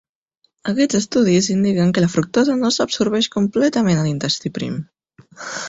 Aquests estudis indiquen que la fructosa no s'absorbeix completament a l'intestí prim.